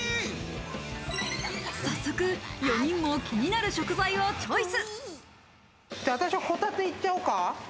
早速４人も気になる食材をチョイス。